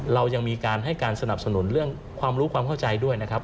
เรายังมีการให้การสนับสนุนเรื่องความรู้ความเข้าใจด้วยนะครับ